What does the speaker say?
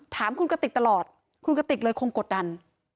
ถามคุณกติกตลอดคุณกติกเลยคงกดดัน